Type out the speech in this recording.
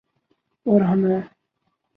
اور ہم ہیں۔